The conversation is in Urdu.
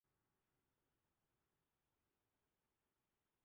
اسے کتنی ہی بار محسوس ہوا۔